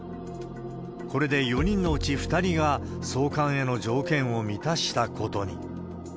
これで４人のうち２人が送還への条件を満たしたことに。